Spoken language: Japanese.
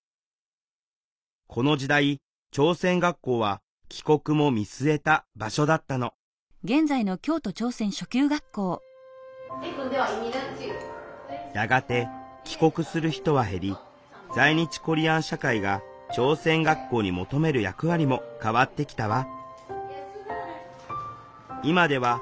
この時代朝鮮学校は帰国も見据えた場所だったのやがて帰国する人は減り在日コリアン社会が朝鮮学校に求める役割も変わってきたわ。